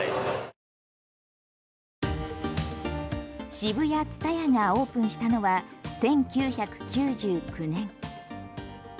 ＳＨＩＢＵＹＡＴＳＵＴＡＹＡがオープンしたのは１９９９年。